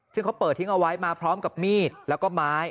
ซึ่งเขาเปิดทิ้งเอาไว้มาพร้อมกับมีดแล้วก็ไม้